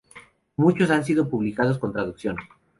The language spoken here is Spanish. Muchos han sido publicados con traducción.